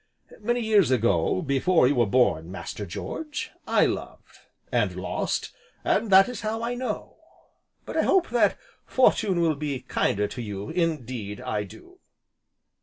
Many years ago, before you were born, Master George, I loved and lost, and that is how I know. But I hope that Fortune will be kinder to you, indeed I do."